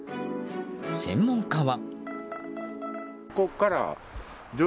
専門家は。